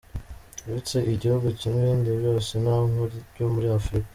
Uretse igihugu kimwe ibindi byose ni ibyo muri Afurika.